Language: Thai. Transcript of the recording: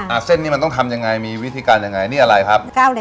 เส้นนี้มันต้องทำยังไงมีวิธีการยังไงนี่อะไรครับ